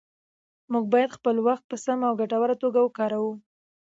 موږ باید خپل وخت په سمه او ګټوره توګه وکاروو